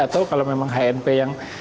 atau kalau memang hnp yang